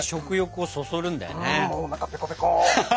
おなかペコペコ。